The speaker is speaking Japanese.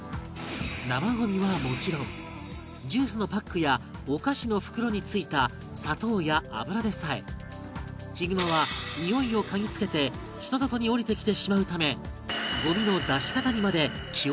生ゴミはもちろんジュースのパックやお菓子の袋に付いた砂糖や油でさえヒグマはにおいを嗅ぎつけて人里に下りてきてしまうため